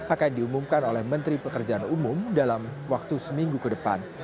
akan diumumkan oleh menteri pekerjaan umum dalam waktu seminggu ke depan